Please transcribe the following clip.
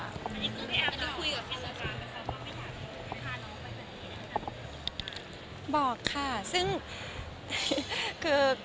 อเรนนี่คือพี่แอ๊บร้อยจะฟังซื้อรสคลาดค่ะ